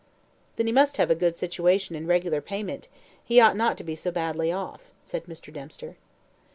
"Then he must have a good situation and regular payment he ought not to be so badly off," said Mr. Dempster.